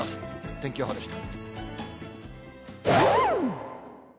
天気予報でした。